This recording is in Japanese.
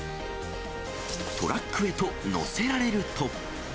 トラックへと載せられると。